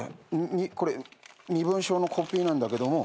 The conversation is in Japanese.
これ身分証のコピーなんだけども。